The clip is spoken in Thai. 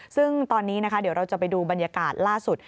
ซึ่งตอนนี้นะคะเดี๋ยวเราจะไปดูบรรยากาศล่าสุด